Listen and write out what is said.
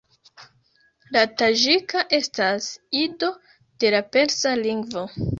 La taĝika estas ido de la persa lingvo.